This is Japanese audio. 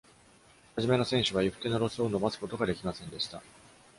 初めの選手は行く手のロスを伸ばすことが出来ませんでした。